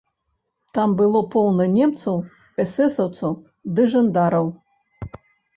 Там было поўна немцаў, эсэсаўцаў ды жандараў.